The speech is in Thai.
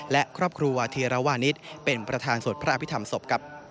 และครอบครัววาธีรวานิสเป็นประธานสวดพระอภิษฐรรมศพ